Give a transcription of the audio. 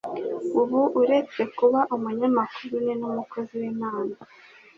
ubu uretse kuba umunyamakuru ni n'umukozi w'Imana